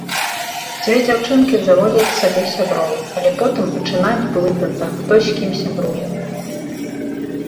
Дзве дзяўчынкі заводзяць сабе сяброў, але потым пачынаюць блытацца, хто з кім сябруе.